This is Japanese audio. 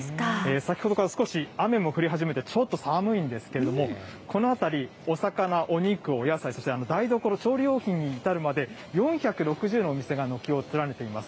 先ほどから少し雨も降り始めて、ちょっと寒いんですけれども、この辺り、お魚、お肉、お野菜、そして台所、調理用品に至るまで、４６０のお店が軒を連ねています。